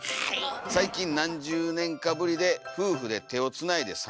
「最近何十年かぶりで夫婦で手をつないで散歩しております」。